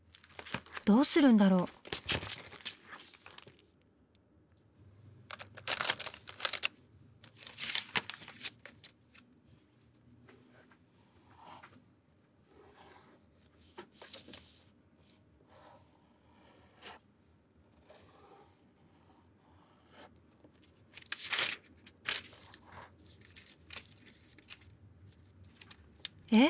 どうするんだろう？え？